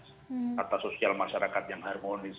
kata sosial masyarakat yang harmonis